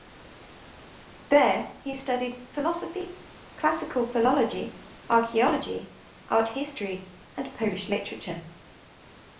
There he studied philosophy, classical philology, archeology, art history, and Polish literature.